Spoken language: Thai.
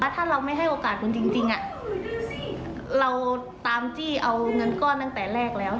ถ้าเราไม่ให้โอกาสคุณจริงเราตามจี้เอาเงินก้อนตั้งแต่แรกแล้ว